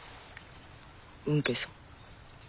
吽慶さん。